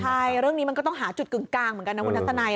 ใช่เรื่องนี้มันก็ต้องหาจุดกึ่งกลางเหมือนกันนะคุณทัศนัย